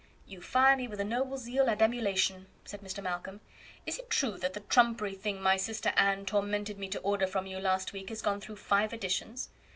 "You fire me with a noble zeal and emulation," said Mr. Malcolm. "Is it true that the trumpery thing my sister Anne tormented me to order from you last week has gone through five editions?"